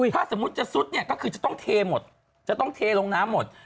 ถ้าสมมุติจะซุดเนี่ยก็คือจะต้องเทหมดจะต้องเทลงน้ำหมด